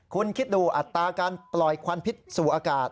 คุณคิดดูอัตราการปล่อยควันพิษสู่อากาศ